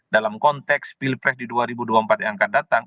dalam konteks pilpres di dua ribu dua puluh empat yang akan datang